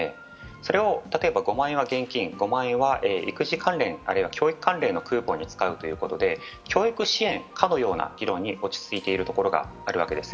それを例えば５万円は現金、５万円は育児関連、あるいは教育関連のクーポンに使うということで教育支援かのような議論に落ち着いているところがあるわけです。